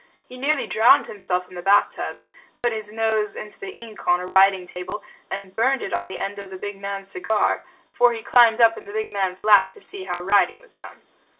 He nearly drowned himself in the bath tubs, put his nose into the ink on a writing table, and burned it on the end of the big man's cigar, for he climbed up in the big man's lap to see how writing was done.